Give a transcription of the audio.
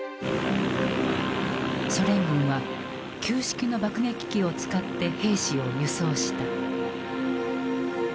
ソ連軍は旧式の爆撃機を使って兵士を輸送した。